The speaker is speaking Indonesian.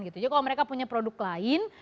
jadi kalau mereka punya produk lain